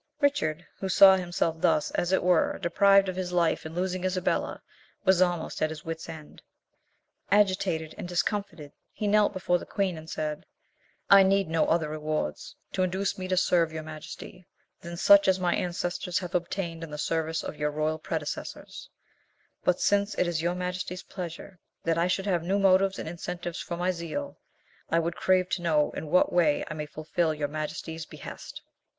Richard, who saw himself thus, as it were, deprived of his life in losing Isabella, was almost at his wits' end. Agitated and discomfited, he knelt before the queen, and said, "I need no other rewards to induce me to serve your majesty than such as my ancestors have obtained in the service of your royal predecessors; but since it is your majesty's pleasure that I should have new motives and incentives for my zeal, I would crave to know in what way I may fulfil your majesty's behest?"